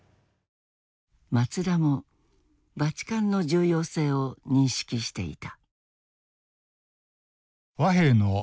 松田もバチカンの重要性を認識していた。